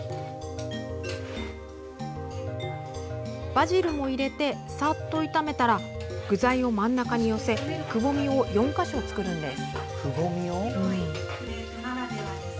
バジルも入れて、さっと炒めたら具材を真ん中に寄せくぼみを４か所作ります。